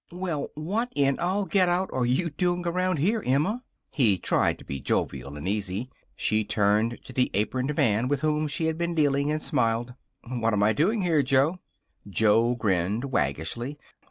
"Well, what in all get out are you doing around here, Emma?" He tried to be jovial and easy. She turned to the aproned man with whom she had been dealing and smiled. "What am I doing here, Joe?" Joe grinned, waggishly.